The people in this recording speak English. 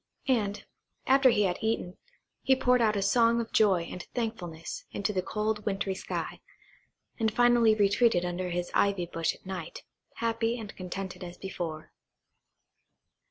And, after he had eaten, he poured out a song of joy and thankfulness into the cold wintry sky, and finally retreated under his ivy bush at night, happy and contented as before.